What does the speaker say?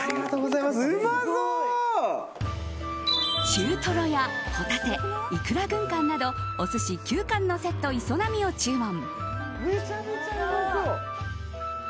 中トロやホタテイクラ軍艦などお寿司９貫のセット磯波を注文。